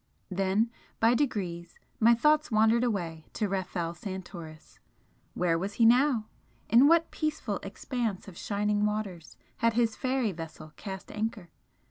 Then by degrees my thoughts wandered away to Rafel Santoris, where was he now? in what peaceful expanse of shining waters had his fairy vessel cast anchor?